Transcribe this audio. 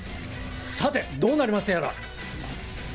さて、どうなりますやら。